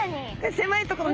狭い所に。